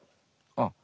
あっ。